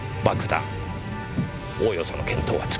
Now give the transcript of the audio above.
おおよその見当はつきました。